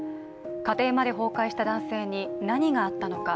家庭まで崩壊した男性に何があったのか。